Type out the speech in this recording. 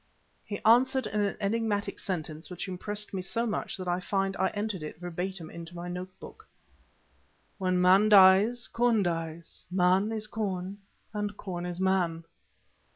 He answered in an enigmatic sentence which impressed me so much that I find I entered it verbatim in my notebook. "When man dies, corn dies. Man is corn, and corn is man."